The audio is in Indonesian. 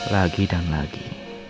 lagi dan lagi